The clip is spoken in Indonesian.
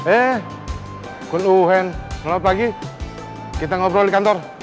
eh gun uhen selamat pagi kita ngobrol di kantor